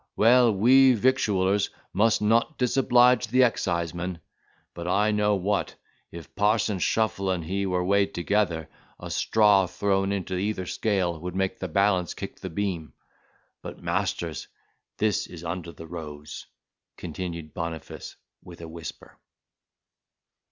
Well, we victuallers must not disoblige the excisemen. But I know what; if parson Shuffle and he were weighed together, a straw thrown into either scale would make the balance kick the beam. But, masters, this is under the rose," continued Boniface with a whisper.